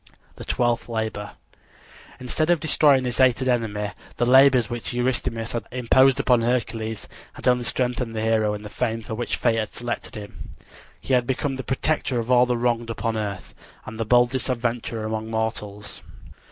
THE TWELFTH LABOR Instead of destroying his hated enemy the labors which Eurystheus had imposed upon Hercules had only strengthened the hero in the fame for which fate had selected him. He had become the protector of all the wronged upon earth, and the boldest adventurer among mortals.